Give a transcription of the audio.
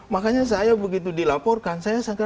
makanya saya begitu dilaporkan